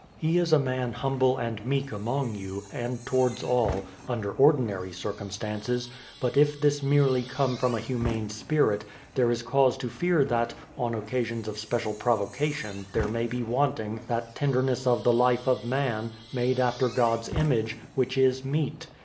He is a man humble and meek among you, and towards all, under ordinary circumstances, but if this merely come from a humane spirit, there is cause to fear that, on occasions of special provocation there may be wanting that tenderness of the life of man, made after God's image, which is meet.